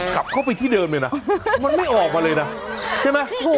ขับเข้าไปที่เดิมเลยนะมันไม่ออกมาเลยนะใช่ไหม